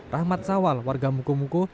rahmat sawal warga mukomuko